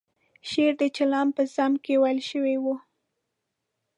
شعر د چلم په ذم کې ویل شوی و.